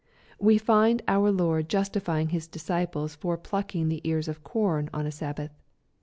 We find our Lord justifying His disciples for plucking the ears of corn on a Sabbath.